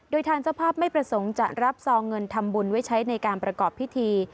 โดยทางเจ้าภาพไม่ประสงค์จะรับซองเงินทำบุญไว้ใช้ในการประกอบพิธี